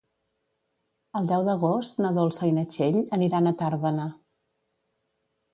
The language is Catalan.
El deu d'agost na Dolça i na Txell aniran a Tàrbena.